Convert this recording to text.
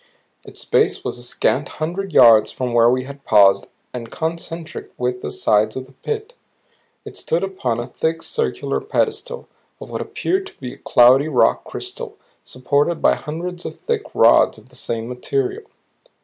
Its base was a scant hundred yards from where we had paused and concentric with the sides of the pit. It stood upon a thick circular pedestal of what appeared to be cloudy rock crystal supported by hundreds of thick rods of the same material.